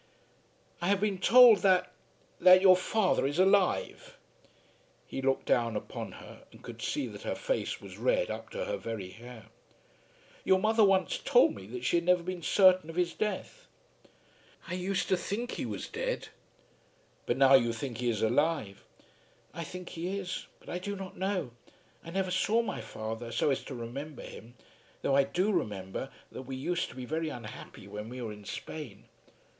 "I have been told that that your father is alive." He looked down upon her and could see that her face was red up to her very hair. "Your mother once told me that she had never been certain of his death." "I used to think he was dead." "But now you think he is alive?" "I think he is; but I do not know. I never saw my father so as to remember him; though I do remember that we used to be very unhappy when we were in Spain."